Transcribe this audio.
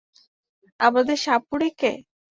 আমাদের সাপুড়েকে!